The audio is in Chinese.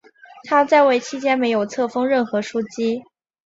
他在位期间没有册封任何枢机。